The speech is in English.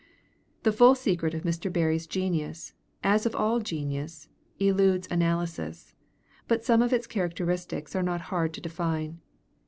The full secret of Mr. Barrie's genius, as of all genius, eludes analysis; but some of its characteristics are not hard to define.